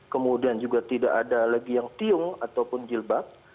kemudian juga tidak ada lagi yang tiung ataupun jilbab